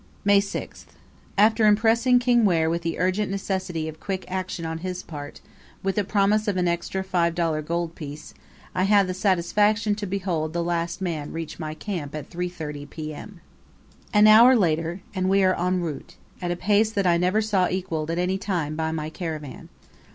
May 6th. After impressing Kingwere with the urgent necessity of quick action on his part, with a promise of an extra five dollar gold piece, I had the satisfaction to behold the last man reach my camp at 3.30 p.m. An hour later, and we are en route, at a pace that I never saw equalled at any time by my caravan.